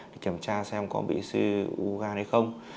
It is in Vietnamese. để kiểm tra xem có bị siêu u gan hay không